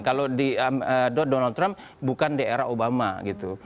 kalau di donald trump bukan di era obama gitu